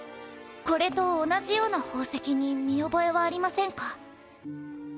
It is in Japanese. これと同じような宝石に見覚えはありませんか？